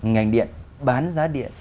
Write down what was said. ngành điện bán giá điện